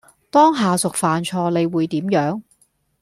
當下屬犯錯你會點樣？